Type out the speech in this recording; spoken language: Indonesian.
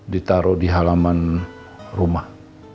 ditaruh di halaman rumah